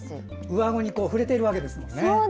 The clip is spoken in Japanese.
上あごに触れているわけですからね。